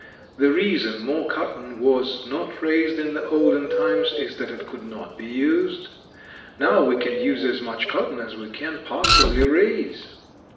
The reason more cotton was not raised in the olden times is that it could not be used. Now we can use as much cotton as we can possibly raise.